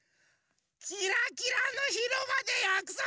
キラキラのひろばでやくそくしてたんだ！